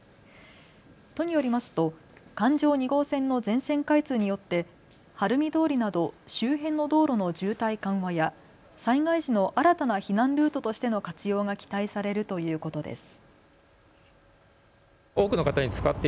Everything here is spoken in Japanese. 都によりますと環状２号線の全線開通によって晴海通りなど周辺の道路の渋滞緩和や災害時の新たな避難ルートとしての活用が期待されるということです。